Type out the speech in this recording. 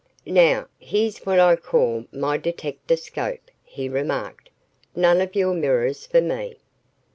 "Now, here's what I call my detectascope," he remarked. "None of your mirrors for me."